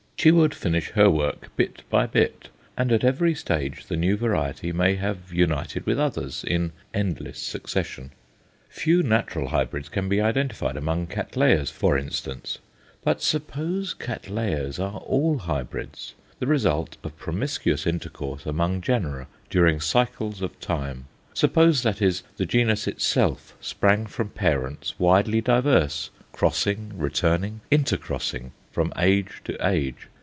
She would finish her work bit by bit, and at every stage the new variety may have united with others in endless succession. Few natural hybrids can be identified among Cattleyas, for instance. But suppose Cattleyas are all hybrids, the result of promiscuous intercourse among genera during cycles of time suppose, that is, the genus itself sprang from parents widely diverse, crossing, returning, intercrossing from age to age?